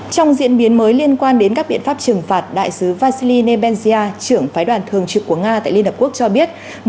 trong diễn biến mới liên quan đến các biện pháp trừng phạt đại sứ vassily nebensia trưởng phái đoàn thường trực của nga tại liên hợp quốc cho biết